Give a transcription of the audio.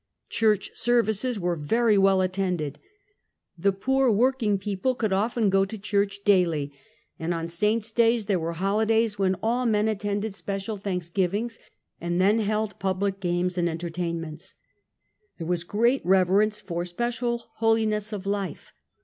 Church services were very well attended. The poor working people could often go to church daily — ^and on saints' days there were holidays, when all men attended special thanksgivings, and then held public games and entertainments. There was great reverence for special holiness of life.